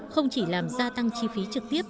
không chỉ làm gia tăng chi phí trực tiếp